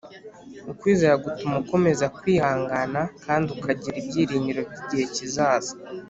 Ukwizera gutuma ukomeza kwihangana kandi ukagira ibyiringiro by’igihe kizaza